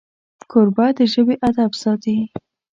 کوربه د ژبې ادب ساتي.